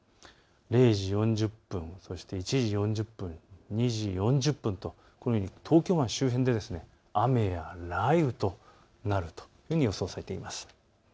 ０時４０分、そして１時４０分、２時４０分とこのように東京湾周辺で雨や雷雨となると予想されています。